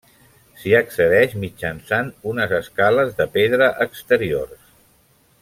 S'hi accedeix mitjançant unes escales de pedra exteriors.